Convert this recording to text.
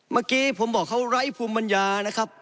เมื่อกี้ผมบอกเขาไร้ภูมิปัญญานะครับ